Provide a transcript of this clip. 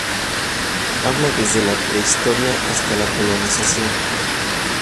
Habla desde la prehistoria hasta la colonización.